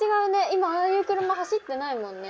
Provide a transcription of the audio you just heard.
今ああいう車走ってないもんね。